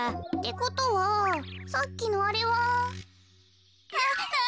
ってことはさっきのあれは。